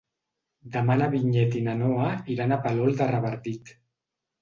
Demà na Vinyet i na Noa iran a Palol de Revardit.